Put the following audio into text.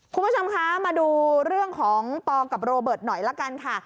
คุณผู้ชมคะมาดูเรื่องของปอกับโรเบิร์ตหน่อยละกันค่ะ